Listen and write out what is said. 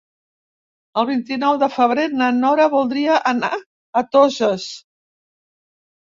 El vint-i-nou de febrer na Nora voldria anar a Toses.